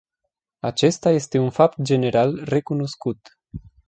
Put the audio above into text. Acesta este un fapt general recunoscut.